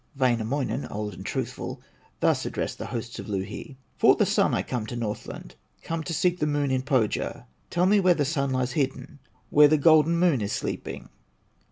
Wainamoinen, old and truthful, Thus addressed the hosts of Louhi: "For the Sun I come to Northland, Come to seek the Moon in Pohya; Tell me where the Sun lies hidden, Where the golden Moon is sleeping."